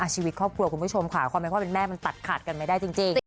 ชีวิตครอบครัวคุณผู้ชมค่ะความเป็นพ่อเป็นแม่มันตัดขาดกันไม่ได้จริง